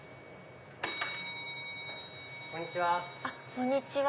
こんにちは。